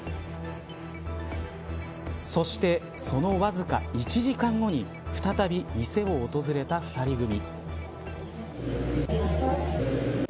そして、そのわずか１時間後に再び店を訪れた２人組。